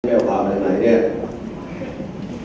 แก้วขาวมาไหนเนี่ย